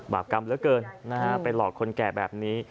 กรรมเหลือเกินนะฮะไปหลอกคนแก่แบบนี้